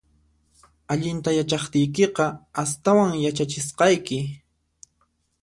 Allinta yachaqtiykiqa, astawan yachachisqayki